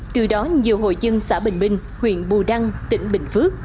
từ đó nhiều hội dân xã bình minh huyện bù đăng tỉnh bình phước